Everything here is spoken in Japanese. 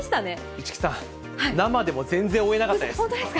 市來さん、生でも全然追えな本当ですか？